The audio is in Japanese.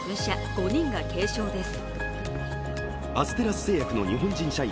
５人が軽傷です。